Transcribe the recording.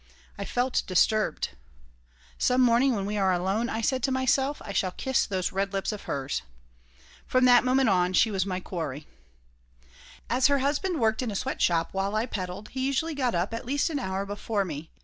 I felt disturbed. "Some morning when we are alone," I said to myself, "I shall kiss those red lips of hers." From that moment on she was my quarry As her husband worked in a sweatshop, while I peddled, he usually got up at least an hour before me.